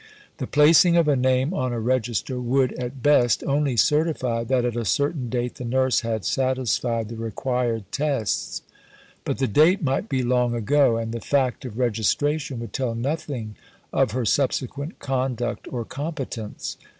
The placing of a name on a register would, at best, only certify that at a certain date the nurse had satisfied the required tests; but the date might be long ago, and the fact of registration would tell nothing of her subsequent conduct or competence.